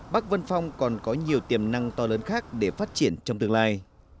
bắc vân phong còn có nhiều tiềm năng to lớn khác để phát triển trong tương lai